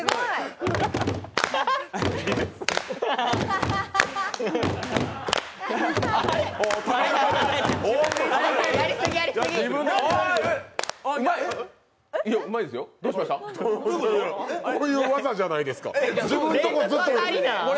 こういう技じゃないですか。